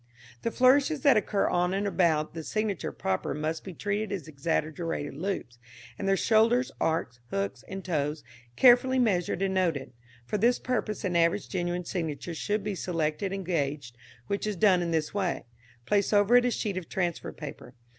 The flourishes that occur on and about the signature proper must be treated as exaggerated loops, and their shoulders, arcs, hooks and toes carefully measured and noted. For this purpose an average genuine signature should be selected and gauged, which is done in this way: Place over it a sheet of transfer paper.